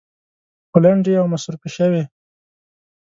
خو لنډې او مصروفې شوې.